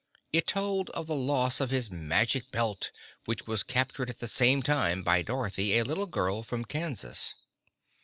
It told of the loss of his Magic Belt which was captured at this same time by Dorothy, a little girl from Kansas.